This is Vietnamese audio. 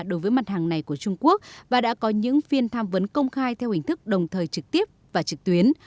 đối với mặt hàng này của trung quốc và đã có những phiên tham vấn công khai theo hình thức đồng thời trực tiếp và trực tuyến